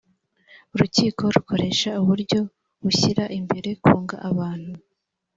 urukiko rukoresha uburyo bushyira imbere kunga abantu